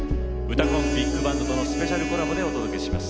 ビッグバンドとのスペシャルコラボでお送りします。